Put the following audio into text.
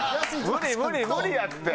無理無理無理やって！